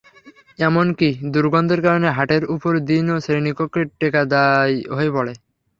এমনকি দুর্গন্ধের কারণে হাটের পরের দিনও শ্রেণিকক্ষে টেকা দায় হয়ে পড়ে।